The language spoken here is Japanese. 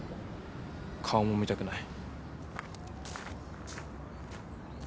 顔も見たくない。